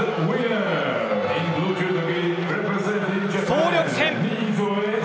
総力戦。